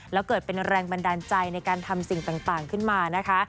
แล้วเกิดเป็นแรงบันดาลใจในการทำสิ่งต่างขึ้นมานะคะ